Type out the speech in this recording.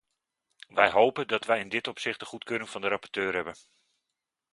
Wij hopen dat wij in dit opzicht de goedkeuring van de rapporteur hebben.